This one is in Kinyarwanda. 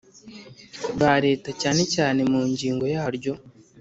Ba leta cyane cyane mu ngingo yaryo